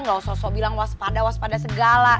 gak usah sok bilang waspada waspada segala